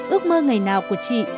ước mơ ngày nào của chị